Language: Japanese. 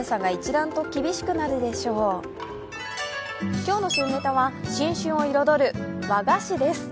今日の旬ネタは新春を彩る和菓子です。